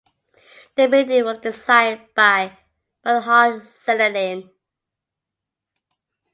The building was designed by Bernhard Seidelin.